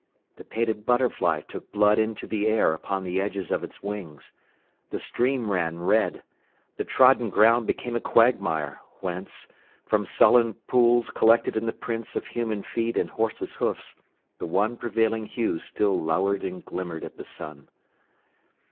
The painted butterfly took blood into the air upon the edges of its wings. The stream ran red. The trodden ground became a quagmire, whence, from sullen pools collected in the prints of human feet and horses' hoofs, the one prevailing hue still lowered and glimmered at the sun.